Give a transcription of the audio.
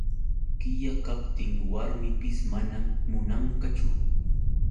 Qilla kaptin warmipis manam munanqachu.